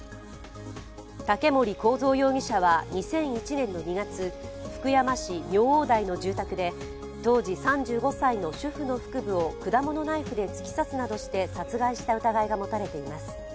竹森幸三容疑者は２００１年２月、福山市明王台の住宅で、当時３５歳の主婦の腹部を果物ナイフで突き刺すなどして殺害した疑いがもたれています。